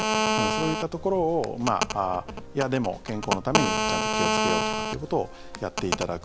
そういったところをいや、でも健康のためにちゃんと気をつけようとかっていうことをやっていただく。